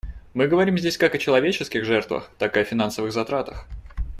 Мы говорим здесь как о человеческих жертвах, так и о финансовых затратах.